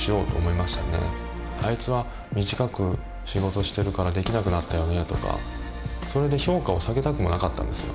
「あいつは短く仕事してるからできなくなったよね」とかそれで評価を下げたくもなかったんですよ。